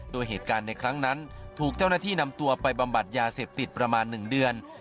โดยเหตุการณ์ในครั้งนั้นถูกเจ้าหน้าที่นำตัวไปบำบัดยาเสพติดประมาณ๑เดือน